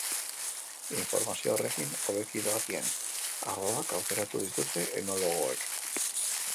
Informazio horrekin, hobeki doakien ardoak aukeratu dituzte enologoek.